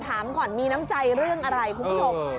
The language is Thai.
ถามก่อนมีน้ำใจเรื่องอะไรคุณผู้ชม